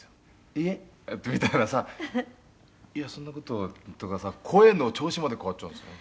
「“えっ？”みたいなさ“いやそんな事”とかさ声の調子まで変わっちゃうんですよね」